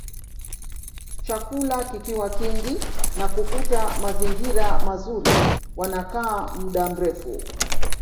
Chakula kikiwa kingi na kukuta mazingira mazuri wanakaa muda mrefu